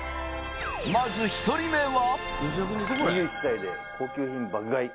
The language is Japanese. まず１人目は。